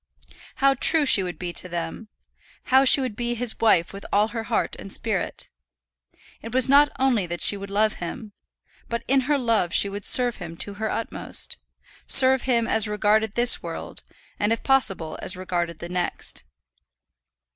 How true she would be to them! How she would be his wife with all her heart and spirit! It was not only that she would love him; but in her love she would serve him to her utmost; serve him as regarded this world, and if possible as regarded the next.